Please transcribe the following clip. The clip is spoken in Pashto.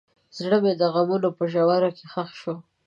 زړه مې د غمونو په ژوره کې ښخ شو.